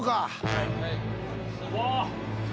・はい。